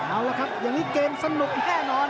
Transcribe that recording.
เอาละครับอย่างนี้เกมสนุกแน่นอน